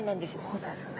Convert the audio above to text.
そうですね。